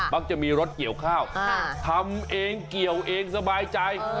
มักจะมีรถเกี่ยวข้าวทำเองเกี่ยวเองสบายใจ